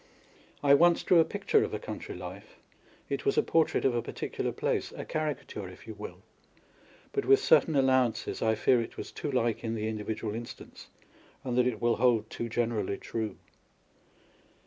I once drew a picture of a country life : it was a portrait of a particular place, a caricature if you will, but with certain allowances, I fear it was too like in the individual instance, and that it will hold too generally true.